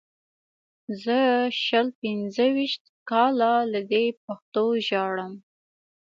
زه شل پنځه ویشت کاله له دې پښتو ژاړم.